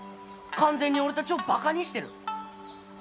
完全に俺たちをバカにしてる。